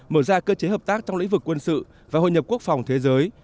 mở ra cơ chế hợp tác trong lĩnh vực quân sự và hội nhập quốc phòng thế giới